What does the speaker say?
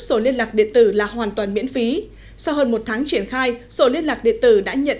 sổ liên lạc điện tử là hoàn toàn miễn phí sau hơn một tháng triển khai sổ liên lạc điện tử đã nhận